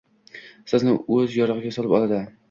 Sizni o‘z yo‘rig‘iga solib oladi.